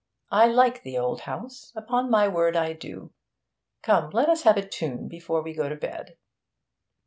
I like the old house, upon my word I do! Come, let us have a tune before we go to bed.'